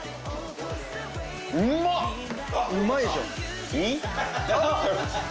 うまいでしょ？